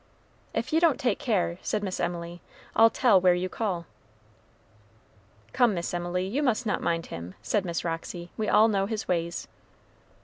"If you don't take care," said Miss Emily, "I'll tell where you call." "Come, Miss Emily, you must not mind him," said Miss Roxy; "we all know his ways."